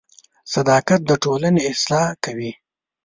• صداقت د ټولنې اصلاح کوي.